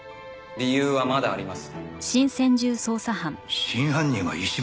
理由はまだあります。